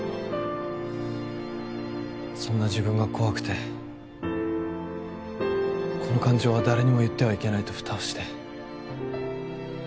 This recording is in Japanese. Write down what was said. そんな自分が怖くてこの感情は誰にも言ってはいけないと蓋をして。